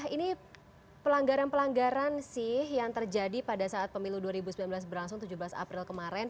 ini pelanggaran pelanggaran sih yang terjadi pada saat pemilu dua ribu sembilan belas berlangsung tujuh belas april kemarin